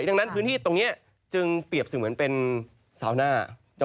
ดังนั้นพื้นที่ตรงนี้จึงเปรียบเสมือนเป็นซาวน่า